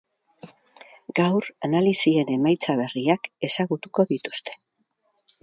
Gaur analisien emaitza berriak ezagutuko dituzte.